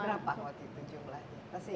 berapa waktu itu jumlahnya